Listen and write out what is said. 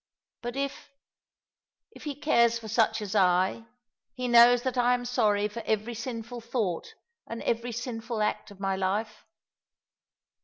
But if — if He cares for such as I, He knows that I am sorry for every sinful thought and every sinful act of my life."